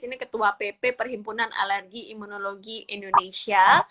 ini ketua pp perhimpunan alergi imunologi indonesia